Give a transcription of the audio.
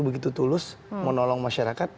begitu tulus menolong masyarakat